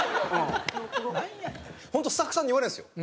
本当スタッフさんに言われるんですよ